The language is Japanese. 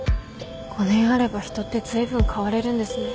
５年あれば人ってずいぶん変われるんですね。